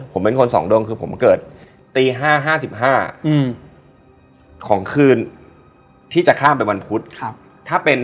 ผมเป็นคนสองดวงคือผมเกิดตี๕๕๕ของคืนที่จะข้ามเป็นวันพุธ